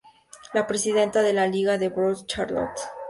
La presidenta de la Liga de Broadway, Charlotte St.